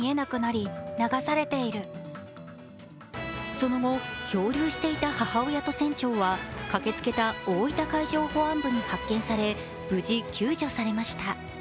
その後、漂流していた母親と船長は駆けつけた大分海上保安部に発見され無事、救助されました。